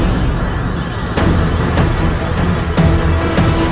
setelah melihat pertunjukan dari penyebab ini